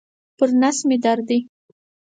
پر نس مي درد دی.